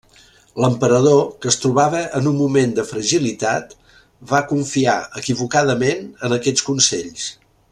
L'emperador, que es trobava en un moment de fragilitat, va confiar equivocadament en aquests consells.